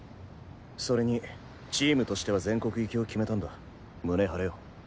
それにチームとしては全国行きを決めたんだ胸張れよ。